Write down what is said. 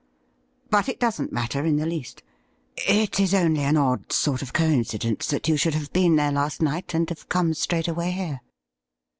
But it doesn't matter in the least. It is only an odd sort of coincidence that you should have been there last night, and have come straight away here.'